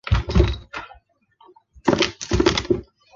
红色及绿色分别表示建制派及泛民主派。